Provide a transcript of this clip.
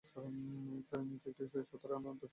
চার ইনিংসে একটি শতরান ও তিনটি অর্ধ-শতরানের ইনিংস খেলেন।